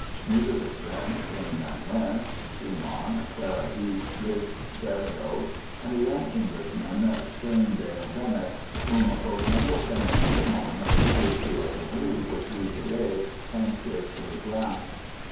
Musical friends came and went—Schumann, Clara Wieck, Liszt, Berlioz, and a young Englishman, Sterndale Bennet, whom both Mendelssohn and Schumann praised to a degree which we, today, can scarcely grasp.